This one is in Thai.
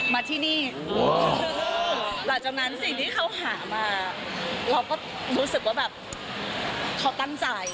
มาที่นี่หลังจากนั้นสิ่งที่เขาหามาเราก็รู้สึกว่าแบบเขาตั้งใจ